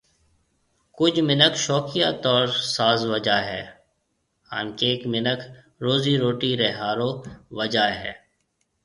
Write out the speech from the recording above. ڪجهه منک شوڪيا طور ساز بجائي هي هان ڪئينڪ منک روزي روٽي ري ۿارو بجائي هي